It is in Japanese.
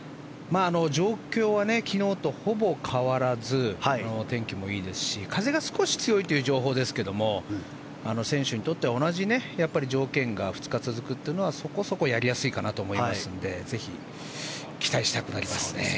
状況は昨日とほぼ変わらず天気もいいですし風が少し強いという情報ですが選手にとっては、同じ条件が２日続くというのは、そこそこやりやすいかなと思いますのでぜひ、期待したくなりますね。